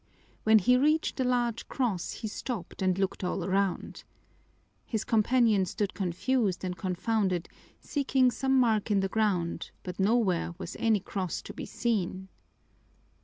When he reached the large cross he stopped and looked all around. His companion stood confused and confounded, seeking some mark in the ground, but nowhere was any cross to be seen.